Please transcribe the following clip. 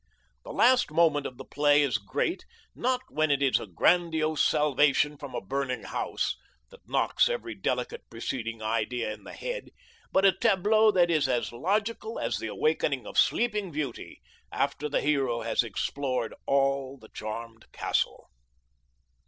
The last moment of the play is great, not when it is a grandiose salvation from a burning house, that knocks every delicate preceding idea in the head, but a tableau that is as logical as the awakening of the Sleeping Beauty after the hero has explored all the charmed castle.